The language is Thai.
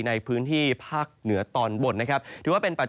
ในพื้นที่ภาคเหนือตอนบน